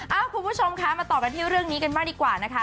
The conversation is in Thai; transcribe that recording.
คุณผู้ชมคะมาต่อกันที่เรื่องนี้กันบ้างดีกว่านะคะ